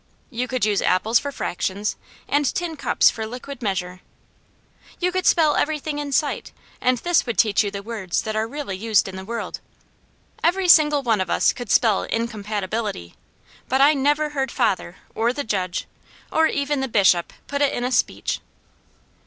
You could use apples for fractions, and tin cups for liquid measure. You could spell everything in sight and this would teach you the words that are really used in the world. Every single one of us could spell incompatibility, but I never heard father, or the judge, or even the Bishop, put it in a speech.